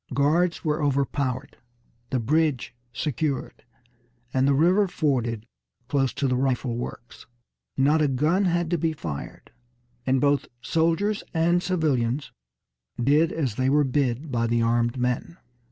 Guards were overpowered, the bridge secured, and the river forded close to the rifle works. Not a gun had to be fired, and both soldiers and civilians did as they were bid by the armed men.